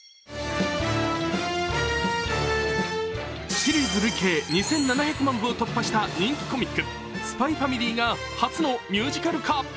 シリーズ累計２７００万部を突破した人気コミック「ＳＰＹ×ＦＡＭＩＬＹ」が初のミュージカル化。